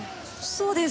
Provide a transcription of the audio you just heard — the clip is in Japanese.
そうです。